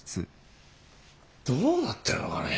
どうなってるのかね。